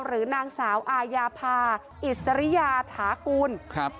หรือนางสาวอาญาภาอิสริยาฐาคุณ